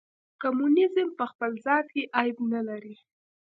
کمونیزم په خپل ذات کې عیب نه لري.